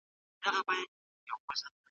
هغه کرکه چې په زړونو کې ده باید لرې سي.